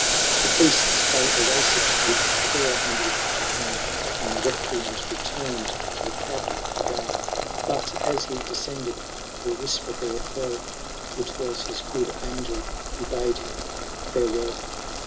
The priests they erase it with care and with pain, And the recreant returned to the cavern again ; But, as he descended, a whisper there fell !— It was his good angel, who bade him farewell